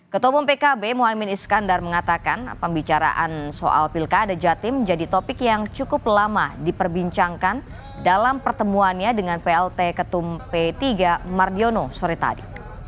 ketua umum pkb mohaimin iskandar mengatakan pembicaraan soal pilkada jatim jadi topik yang cukup lama diperbincangkan dalam pertemuannya dengan plt ketum p tiga mardiono sore tadi